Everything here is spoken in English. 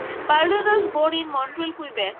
Baldwin was born in Montreal, Quebec.